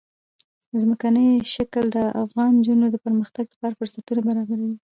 ځمکنی شکل د افغان نجونو د پرمختګ لپاره فرصتونه برابروي.